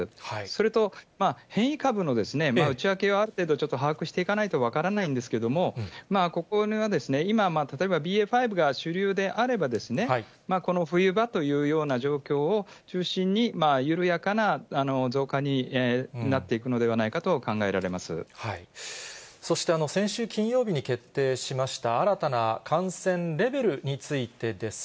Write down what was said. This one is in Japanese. それと、変異株の内訳はある程度、把握していかないと分からないんですけれども、ここでは、今、ＢＡ．５が主流であればですね、この冬場というような状況を中心に緩やかな増加になっていくのでそして、先週金曜日に決定しました新たな感染レベルについてです。